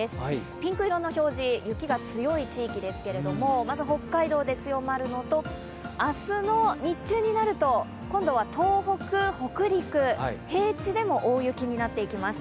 ピンク色の表示、雪が強い表示ですけれどもまず北海道で強まるのと明日の日中になると、東北、北陸平地でも大雪になっていきます。